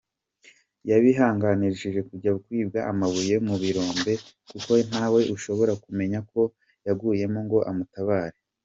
Yabihananjirije kujya kwiba amabuye mu birombe kuko ntawe ushobora kumenya ko yaguyemo ngo amutabare.